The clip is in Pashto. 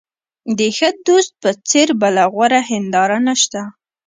د ښه دوست په څېر بله غوره هنداره نشته.